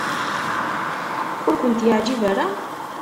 Ur kent-yeɛjib ara?